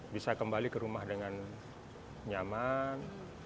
bisa kembali ke rumah dengan nyaman